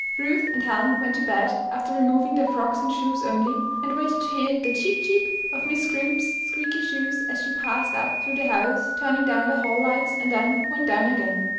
Ruth and Helen went to bed after removing their frocks and shoes only and waited to hear the "cheep, cheep" of Miss Scrimp's squeaky shoes as she passed up through the house, turning down the hall lights, and then went down again.